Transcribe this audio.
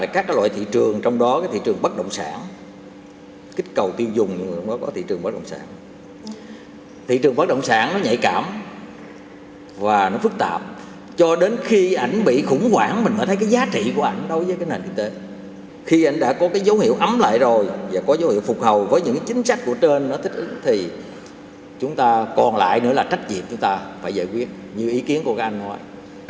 chúng ta còn lại nữa là trách nhiệm chúng ta phải giải quyết như ý kiến của các anh nói